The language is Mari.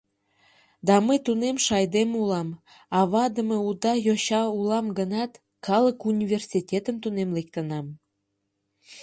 Да мый тунемше айдеме улам, авадыме уда йоча улам гынат, калык университетым тунем лектынам.